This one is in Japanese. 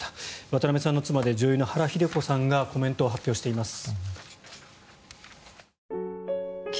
渡辺さんの妻で女優の原日出子さんがコメントを発表しています。